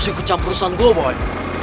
ini kecam perusahaan gua boy